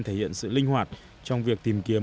thể hiện sự linh hoạt trong việc tìm kiếm